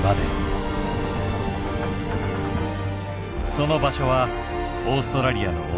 その場所はオーストラリアの沖。